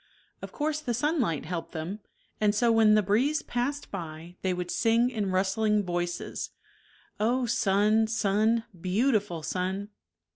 Of course the sunlight helped them, and so when the breeze passed by they would sing in rustling voices *' Oh sun, sun, beautiful sun